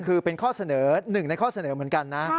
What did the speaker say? คือเป็นข้อเสนอหนึ่งในข้อเสนอเหมือนกันนะ